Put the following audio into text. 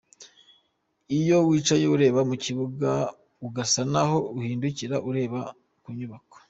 Iyo wicaye ureba mu kibuga ugasa naho uhindukira ureba ku nyubako.